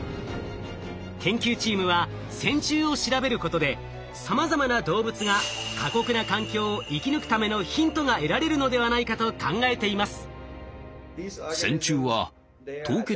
研究チームは線虫を調べることでさまざまな動物が過酷な環境を生き抜くためのヒントが得られるのではないかと考えています。